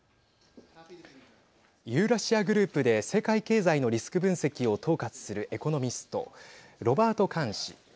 ユーラシア・グループで世界経済のリスク分析を統括するエコノミストロバート・カーン氏。